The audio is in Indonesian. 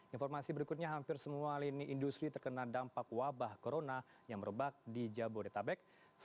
informasi berikutnya hampir semua lini industri terkena dampak wabah corona yang merebak di jabodetabek